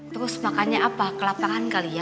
terus makannya apa kelaparan kali ya